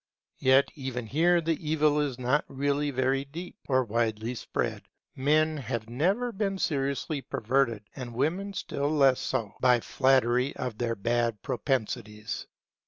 Yet even here the evil is not really very deep or widely spread. Men have never been seriously perverted, and women still less so, by flattery of their bad propensities.